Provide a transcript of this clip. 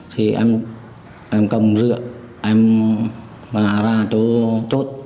thì em cầm rượu em bà ra chỗ chốt